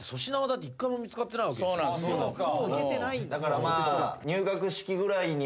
だからまあ。